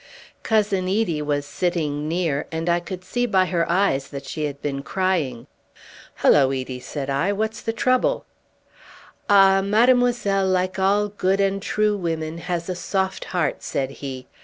Cousin Edie was sitting near, and I could see by her eyes that she had been crying. "Hullo, Edie!" said I, "what's the trouble?" "Ah! mademoiselle, like all good and true women, has a soft heart," said he.